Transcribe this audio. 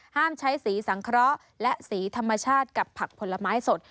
ใช้สีสังเคราะห์และสีธรรมชาติกับผักผลไม้สด